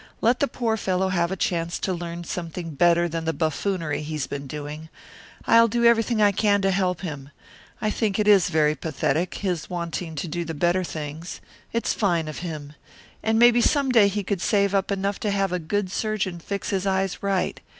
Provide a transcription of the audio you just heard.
Let the poor fellow have a chance to learn something better than the buffoonery he's been doing. I'll do everything I can to help him. I think it is very pathetic, his wanting to do the better things; it's fine of him. And maybe some day he could save up enough to have a good surgeon fix his eyes right.